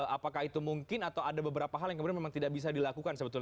apakah itu mungkin atau ada beberapa hal yang kemudian memang tidak bisa dilakukan sebetulnya